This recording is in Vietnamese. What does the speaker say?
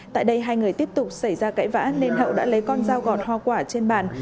tại đây hai người tiếp tục xảy ra cãi vã nên hậu đã lấy con dao gọt hoa quả trên bàn